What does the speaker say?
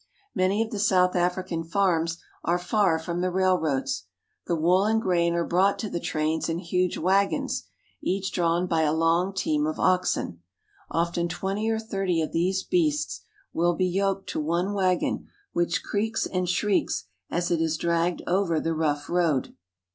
Many of the South African farms are far from the rail roads. The wool and grain are brought to the trains in . huge wagons, each drawn by a long team of oxen. Often twenty or thirty of these beasts will be yoked tq one FARMING IN SOUTH AFRICA 2S7 1 Bvagon, which creaks and shrieks as it is dragged over the J trough road.